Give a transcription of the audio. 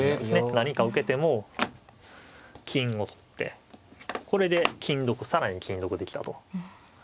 何か受けても金を取ってこれで更に金得できたと。